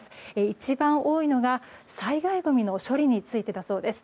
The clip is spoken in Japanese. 一番多いのが、災害ごみの処理についてだそうです。